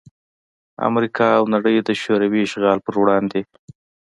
امریکا او نړۍ دشوروي اشغال پر وړاندې